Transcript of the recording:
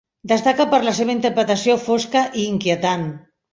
Destaca per la seva interpretació fosca i inquietant.